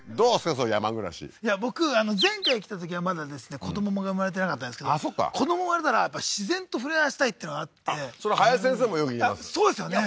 そういう山暮らし僕前回来たときはまだですね子どもが生まれてなかったんですけど子どもが生まれたらやっぱり自然と触れ合わしたいっていうのがあってそれ林先生もよく言いますそうですよね